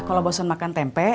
kalau bosen makan tempe